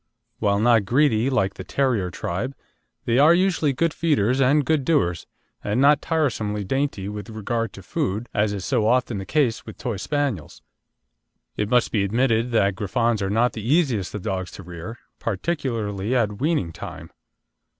While not greedy, like the Terrier tribe, they are usually good feeders and good doers, and not tiresomely dainty with regard to food, as is so often the case with Toy Spaniels. It must be admitted that Griffons are not the easiest of dogs to rear, particularly at weaning time.